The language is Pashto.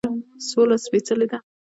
سوله سپیڅلې ده